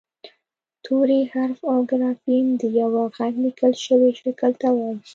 توری حرف او ګرافیم د یوه غږ لیکل شوي شکل ته وايي